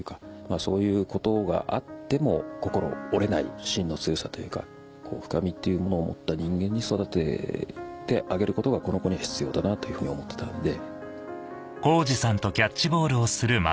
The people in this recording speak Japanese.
そういうことがあっても心折れない心の強さというか深みっていうものを持った人間に育ててあげることがこの子には必要だなというふうに思ってたんで。